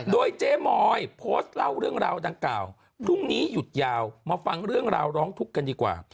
โดยเจ๊มอยโพสต์เล่าเรื่องราวดังกล่าวพรุ่งนี้หยุดยาวมาฟังเรื่องราวร้องทุกข์กันดีกว่า